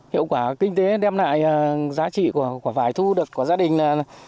hiệu quả kinh tế đem lại giá trị của quả vải thu được của gia đình là